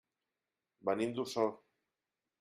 Venim d'Osor.